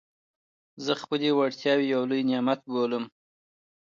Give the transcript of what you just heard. زه خپلي وړتیاوي یو لوی نعمت بولم.